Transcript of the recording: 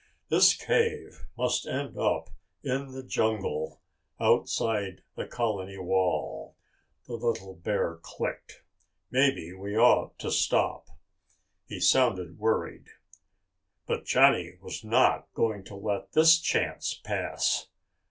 "This cave must end up in the jungle outside the colony wall," the little bear clicked. "Maybe we ought to stop." He sounded worried. But Johnny was not going to let this chance pass.